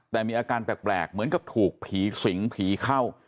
แต่มีอาการแปลกเหมือนกับถูกผีสิงผีเข้า